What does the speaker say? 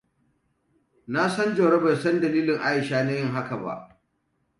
Na san Jauro bai san dalilin Aisha na yin haka ba.